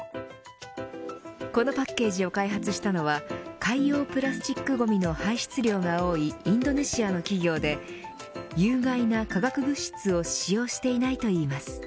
このパッケージを開発したのは海洋プラスチックごみの排出量が多いインドネシアの企業で有害な化学物質を使用していないといいます。